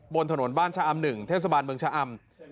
บนถนนบ้านชะอำ๑เทศบาลเมืองชะอำ